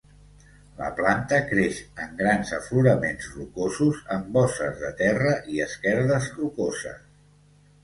La planta creix en grans afloraments rocosos en bosses de terra i esquerdes rocoses.